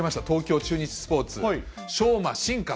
東京中日スポーツ。